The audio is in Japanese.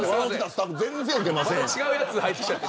スタッフ全然ウケませんやん。